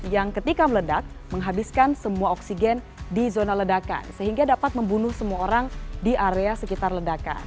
yang ketika meledak menghabiskan semua oksigen di zona ledakan sehingga dapat membunuh semua orang di area sekitar ledakan